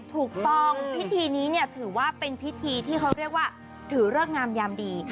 ถูกต้องพิธีนี้เนี่ยถือว่าเป็นพิธีที่เขาเรียกว่าถือเลิกงามยามดี